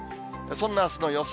そんなあすの予想